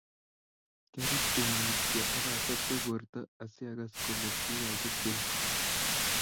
Kiareekte uet mutyo ak asosop borta asi akas ole kikakitil.